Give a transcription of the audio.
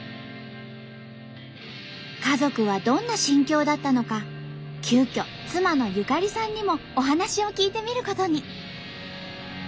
家族はどんな心境だったのか急遽妻のゆかりさんにもお話を聞いてみることに。